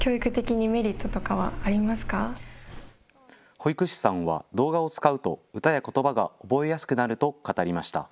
保育士さんは動画を使うと歌やことばが覚えやすくなると語りました。